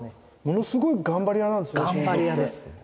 ものすごい頑張り屋なんですね